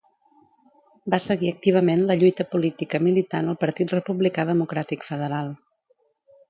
Va seguir activament la lluita política militant al Partit Republicà Democràtic Federal.